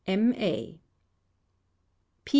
"M. A. "P.